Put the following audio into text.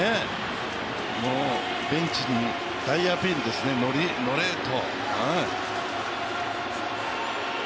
もうベンチに大アピールですね、のれ、のれと。